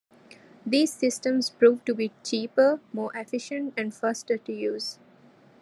These systems proved to be cheaper, more efficient and faster to use.